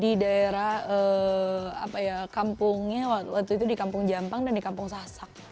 di daerah kampungnya waktu itu di kampung jampang dan di kampung sasak